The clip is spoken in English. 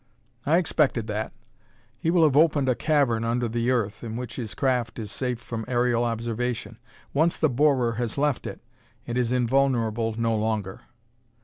"I expected that. He will have opened a cavern under the earth, in which his craft is safe from aerial observation. Once the borer has left it, it is invulnerable no longer."